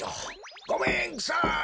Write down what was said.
ごめんくさい！